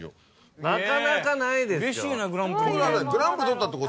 なかなかないですよ。